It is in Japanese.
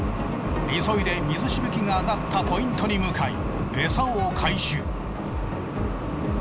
急いで水しぶきがあがったポイントに向かいエサを回収。